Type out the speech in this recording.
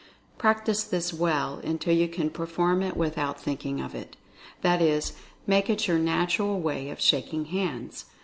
Practice this well, until you can perform it without thinking of it— 240 Mental Fascination that is, make it your natural way of shaking hands.